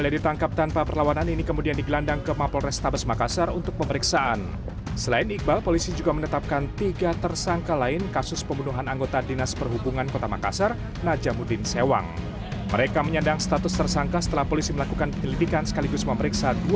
dan dilibikan sekaligus memeriksa dua puluh saksi